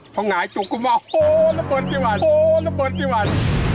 พ่อหงายจุกกับมาโหระเบิดกี่วันโหระเบิดกี่วัน